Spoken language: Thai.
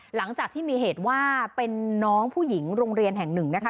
หลังจากที่มีเหตุว่าเป็นน้องผู้หญิงโรงเรียนแห่งหนึ่งนะคะ